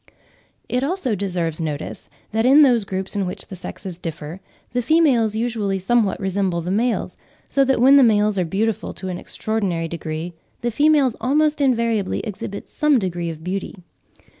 It also deserves notice that in those groups in which the sexes differ, the females usually somewhat resemble the males, so that when the males are beautiful to an extraordinary degree, the females almost invariably exhibit some degree of beauty.